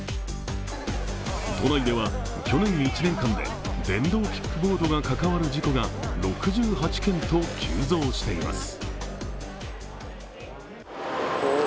都内では去年１年間で電動キックボードが関わる事故が６８件と急増しています。